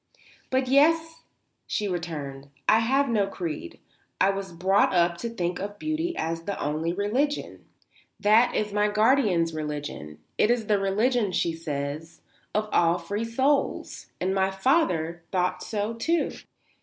"But, yes," she returned. "I have no creed. I was brought up to think of beauty as the only religion. That is my guardian's religion. It is the religion, she says, of all free souls. And my father thought so, too."